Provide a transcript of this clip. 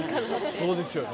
そうですよね。